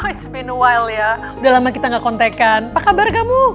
it's been a while ya udah lama kita gak kontekan apa kabar kamu